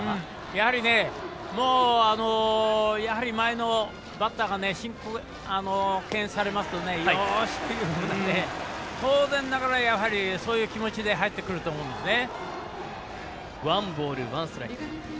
やはり、前のバッターが申告敬遠されますとよーし！というような当然ながら、そういう気持ちで入ってくると思うんですね。